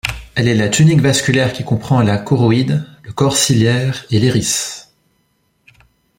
Elle est la tunique vasculaire qui comprend la choroïde, le corps ciliaire et l'iris.